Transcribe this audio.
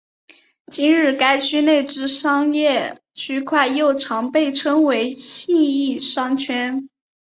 今日该区内之商业区块又常被称为信义商圈。